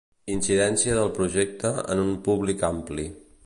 Incidència del projecte en un públic ampli.